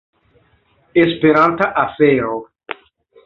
Esperanta afero